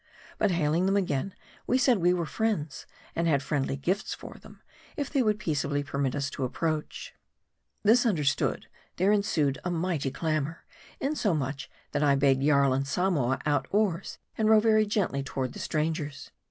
But hailing them again, we said we were friends, and had friendly gifts for them, if they would peaceably permit us to approach. This understood, there ensued a mighty clamor ; insomuch, that I bade Jarl and Samoa out oars, and row very gently toward the strangers.